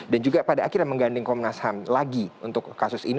dan juga pada akhirnya menggandeng komnas ham lagi untuk kasus ini